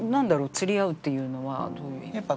釣り合うっていうのはどういう意味？